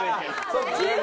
そっち！？